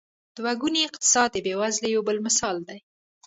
دوه ګونی اقتصاد د بېوزلۍ یو بل مثال دی.